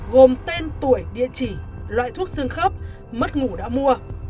gồm tên tuổi địa chỉ loại thuốc xương khớp mất ngủ đã mua